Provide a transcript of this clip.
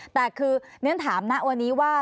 แต่คือเนี่ยถามณวันนี้ว่า